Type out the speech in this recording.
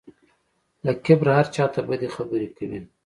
له کبره هر چا ته بدې خبرې کوي.